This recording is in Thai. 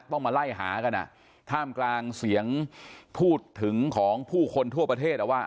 ต้องมาไล่หากันอ่ะท่ามกลางเสียงพูดถึงของผู้คนทั่วประเทศอ่ะว่า